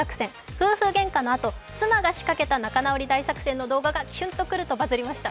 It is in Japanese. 夫婦げんかのあと、妻が仕掛けた仲直り大作戦の動画がキュンとくるとバズりました。